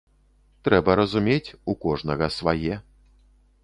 Трэба разумець, у кожнага свае.